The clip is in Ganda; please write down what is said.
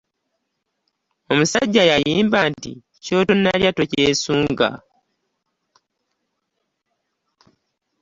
Omusajja yayimba nti kyoyanalya tokyesanga.